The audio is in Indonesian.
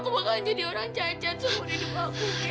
aku bakalan jadi orang cacat seumur hidup aku